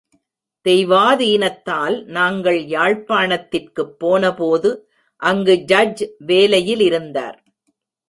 தெய்வாதீனத்தால் நாங்கள் யாழ்ப்பாணத்திற்குப் போனபோது அங்கு ஜட்ஜ் வேலையிலிருந்தார்.